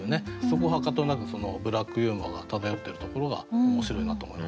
そこはかとなくブラックユーモアが漂ってるところが面白いなと思いましたね。